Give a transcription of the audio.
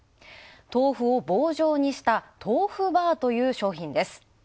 豆腐を棒状にした豆腐バーという商品です。